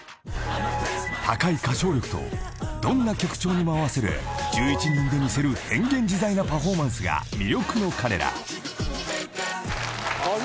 ［高い歌唱力とどんな曲調にも合わせる１１人で見せる変幻自在なパフォーマンスが魅力の彼ら］